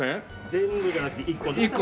全部じゃなくて一個。